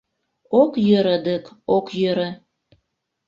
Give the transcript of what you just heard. Ок йӧрӧ дык, ок йӧрӧ.